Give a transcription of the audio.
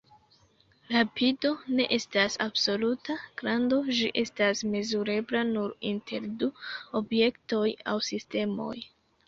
Rapido ne estas absoluta grando; ĝi estas mezurebla nur inter du objektoj aŭ sistemoj.